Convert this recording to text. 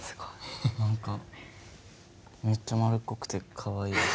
何かめっちゃ丸っこくてかわいいです。